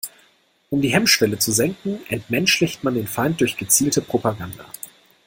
Um die Hemmschwelle zu senken, entmenschlicht man den Feind durch gezielte Propaganda.